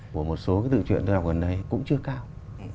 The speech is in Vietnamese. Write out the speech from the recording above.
của một số cái tự chuyện tôi học gần đây cũng chưa cao